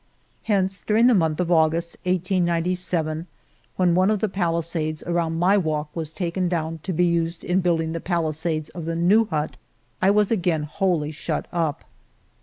Hence during the month of August, 1897, when one of the palisades around my walk was taken down to be used in building the palisades of the new hut, I was again wholly shut up.